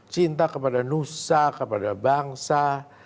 cinta kepada nusa kepada bangsa